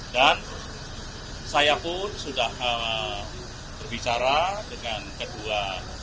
dan saya pun sudah berbicara dengan kedua